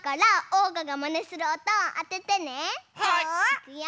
いくよ。